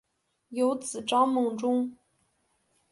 有子张孟中。